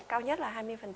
cao nhất là hai mươi